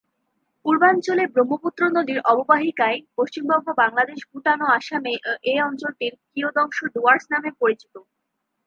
পূর্বাঞ্চলে ব্রহ্মপুত্র নদীর অববাহিকায় পশ্চিমবঙ্গ, বাংলাদেশ, ভুটান ও আসামে এ অঞ্চলটির কিয়দংশ ডুয়ার্স নামে পরিচিত।